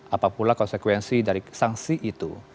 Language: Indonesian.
apapun konsekuensi dari sanksi itu